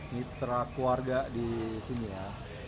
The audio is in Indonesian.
mitra keluarga di sini ya